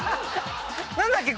何だっけ？